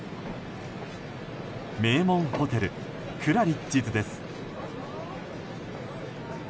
名門ホテルクラリッジズです。